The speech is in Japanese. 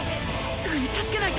すぐに助けないと！